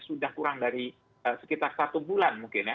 sudah kurang dari sekitar satu bulan mungkin ya